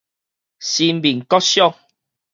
新民國小